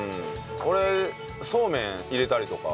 俺そうめん入れたりとか。